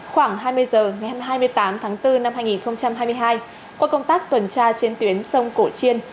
khoảng hai mươi h ngày hai mươi tám tháng bốn năm hai nghìn hai mươi hai qua công tác tuần tra trên tuyến sông cổ chiên